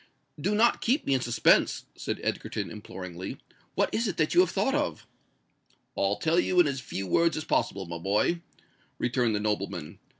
"Do not keep me in suspense," said Egerton, imploringly: "what is it that you have thought of?" "I'll tell you in as few words as possible my boy," returned the nobleman.